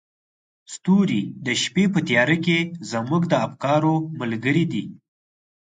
ستوري د شپې په تیاره کې زموږ د افکارو ملګري دي.